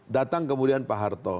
datang kemudian pak harto